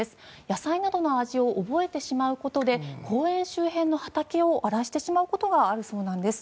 野菜などの味を覚えてしまうことで公園周辺の畑を荒らしてしまうことがあるそうです。